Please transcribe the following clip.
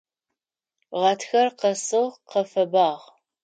Гъатхэр къэсыгъ, къэфэбагъ.